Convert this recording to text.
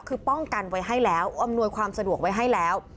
คือป้องกันไว้ให้แล้วอำนวยความสะดวกไว้ให้แล้ว